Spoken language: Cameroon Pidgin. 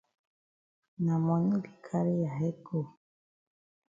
Na moni be carry ya head go.